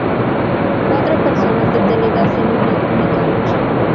Cuatro personas detenidas en una única noche.